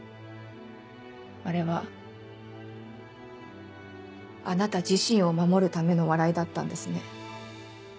あれはあなた自身を守るための笑いだったんですね。